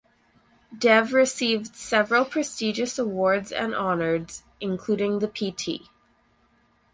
Dev received several prestigious awards and honors including the Pt.